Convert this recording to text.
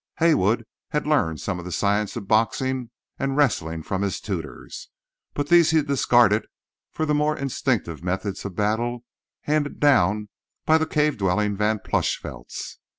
Haywood had learned some of the science of boxing and wrestling from his tutors, but these he discarded for the more instinctive methods of battle handed down by the cave dwelling Van Plushvelts.